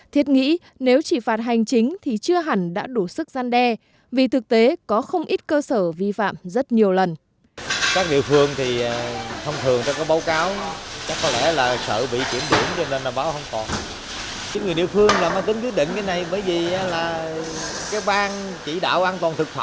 thiết nghĩ nếu chỉ phạt hành chính thì chưa hẳn đã đủ sức gian đe vì thực tế có không ít cơ sở vi phạm rất nhiều lần